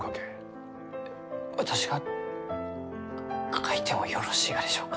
え私が書いてもよろしいがでしょうか？